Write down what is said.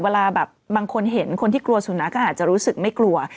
เวลาแบบบางคนเห็นคนที่กลัวสุนัขก็อาจจะรู้สึกไม่กลัว